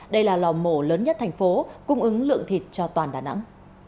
đây là lò mổ lớn nhất thành phố cung ứng lượng thịt cho toàn đà nẵng